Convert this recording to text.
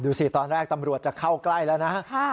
สิตอนแรกตำรวจจะเข้าใกล้แล้วนะฮะ